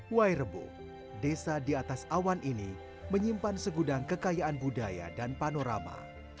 wairebo desa di atas awan ini menyimpan segudang kekayaan budaya dan panorama